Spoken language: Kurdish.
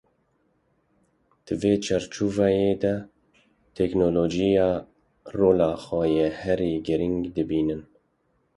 Di vê çarçoveyê de, teknolojî ye rola xwe ya herî girîng dibînin.